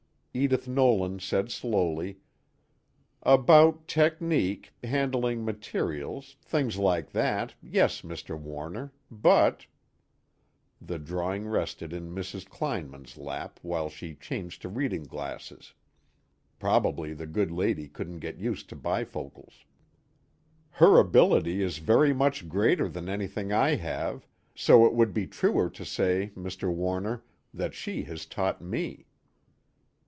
Edith Nolan said slowly: "About technique, handling materials, things like that, yes, Mr. Warner, but ..." The drawing rested in Mrs. Kleinman's lap while she changed to reading glasses; probably the good lady couldn't get used to bifocals. "Her ability is very much greater than anything I have, so it would be truer to say, Mr. Warner, that she has taught me."